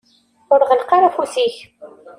Ur ɣelleq ara afus-ik.